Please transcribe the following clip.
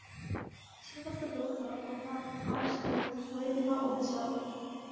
She was the daughter of an architect political official.